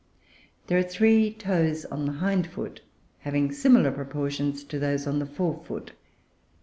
There are three toes on the hind foot having similar proportions to those on the fore foot.